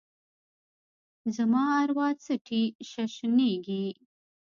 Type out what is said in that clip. زما اروا څټي ششنیږې